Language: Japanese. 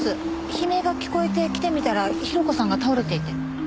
悲鳴が聞こえて来てみたら広子さんが倒れていて。